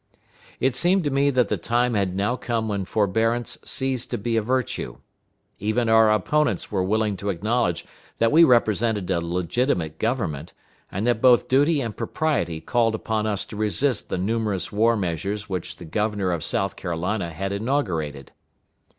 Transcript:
It seemed to me that the time had now come when forbearance ceased to be a virtue. Even our opponents were willing to acknowledge that we represented a legitimate government, and that both duty and propriety called upon us to resist the numerous war measures which the governor of South Carolina had inaugurated.